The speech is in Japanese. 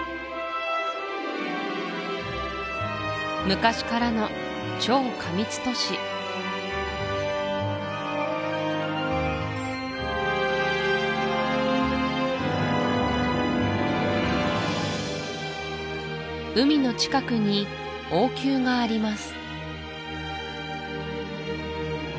昔からの超過密都市海の近くに王宮があります